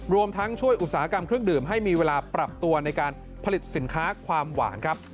รวมทั้งช่วยอุตสาหกรรมเครื่องดื่มให้มีเวลาปรับตัวในการผลิตสินค้าความหวานครับ